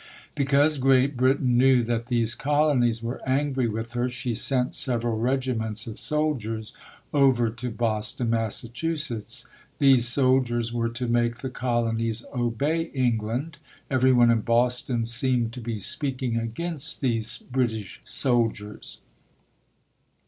Because Great Britain knew that these colonies were angry with her, she sent several regiments of soldiers over to Boston, Massachusetts. These soldiers were to make the colonies obey England. Every one in Boston seemed to be speaking against these British soldiers.